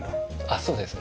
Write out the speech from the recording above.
そうですね。